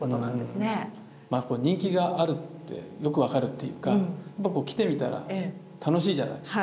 人気があるってよく分かるっていうか来てみたら楽しいじゃないですか。